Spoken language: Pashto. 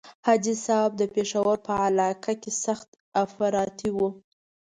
حاجي صاحب د پېښور په علاقه کې سخت افراطي وو.